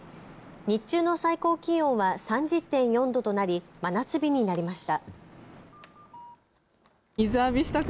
日中の最高気温は３０．４度となり真夏日になりました。